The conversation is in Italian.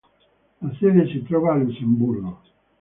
La sede si trova a Lussemburgo.